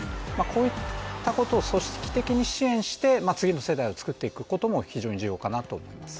こういったことを組織的に支援して次の世代を作っていくことも非常に重要かなと思います。